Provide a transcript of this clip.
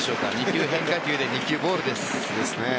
２球変化球で２球ボールです。